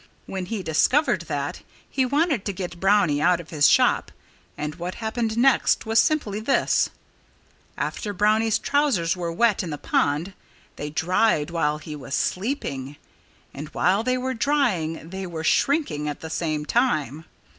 When he discovered that, he wanted to get Brownie out of his shop. And what happened next was simply this: After Brownie's trousers were wet in the pond, they dried while he was sleeping. And while they were drying they were shrinking at the same time.